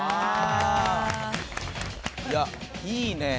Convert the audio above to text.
いやいいね。